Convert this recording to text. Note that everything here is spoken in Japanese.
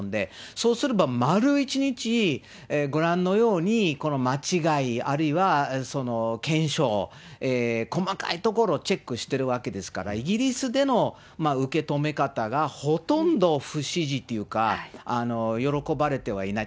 そうすれば丸１日、ご覧のように間違い、あるいは検証、細かいところをチェックしてるわけですから、イギリスでの受け止め方がほとんど不支持っていうか、喜ばれてはいない。